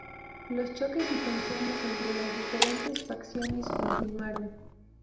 Los choques y tensiones entre las diferentes facciones continuaron.